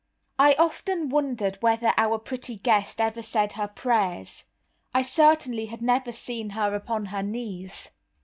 I often wondered whether our pretty guest ever said her prayers. I certainly had never seen her upon her knees.